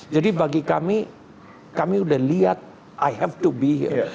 jadi bagi kami kami udah lihat i have to be here